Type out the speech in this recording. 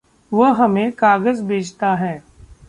वह हमें काग़ज़ बेचता है।